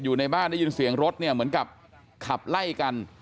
อยู่ในบ้านได้ยินเสียงรถเนี่ยเหมือนกับขับไล่กัน